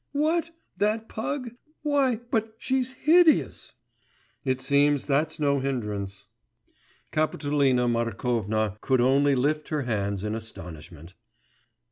'What? That pug? Why, but she's hideous!' 'It seems that's no hindrance.' Kapitolina Markovna could only lift her hands in astonishment.